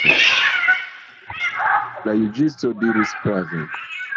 La juĝisto diris prave.